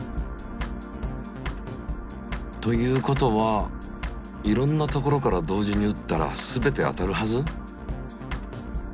ということはいろんな所から同時にうったらすべて当たるはず？